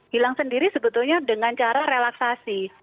hilang sendiri sebetulnya dengan cara relaksasi